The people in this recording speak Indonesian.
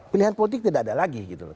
pilihan politik tidak ada lagi gitu loh